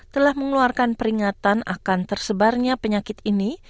telah mengeluarkan peringatan akan tersebarnya penyakit ini